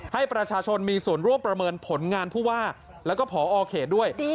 ให้ประชาชนมีส่วนร่วมประเมินผลงานผู้ว่าแล้วก็พอเขตด้วย